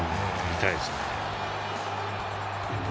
痛いですね。